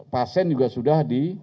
pasien juga sudah di